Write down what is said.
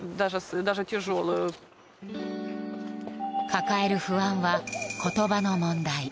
抱える不安は言葉の問題。